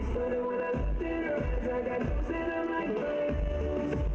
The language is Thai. สวัสดีครับ